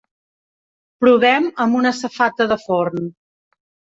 Provem amb una safata de forn.